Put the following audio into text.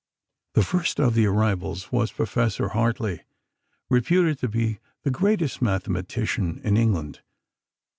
The first of the arrivals was Professor Hartley, reputed to be the greatest mathematician in England.